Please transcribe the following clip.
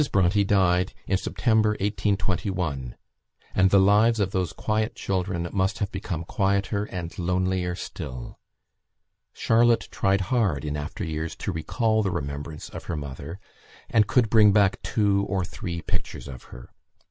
Bronte died in September, 1821, and the lives of those quiet children must have become quieter and lonelier still. Charlotte tried hard, in after years, to recall the remembrance of her mother, and could bring back two or three pictures of her.